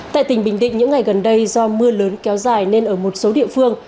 tại tỉnh bình định những ngày gần đây do mưa lớn kéo dài nên ở một số địa phương